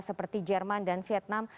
seperti jerman dan vietnam